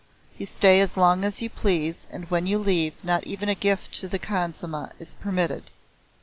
You stay as long as you please and when you leave not even a gift to the khansamah is permitted.